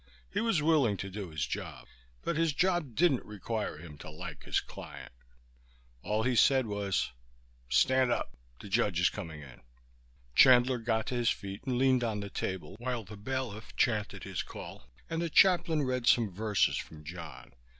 He was willing to do his job, but his job didn't require him to like his client. All he said was, "Stand up. The judge is coming in." Chandler got to his feet and leaned on the table while the bailiff chanted his call and the chaplain read some verses from John.